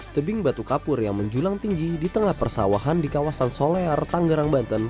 tebing batu kapur yang menjulang tinggi di tengah persawahan di kawasan solear tanggerang banten